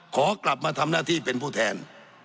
ขอกลับมาทำหน้าที่เป็นผู้แทน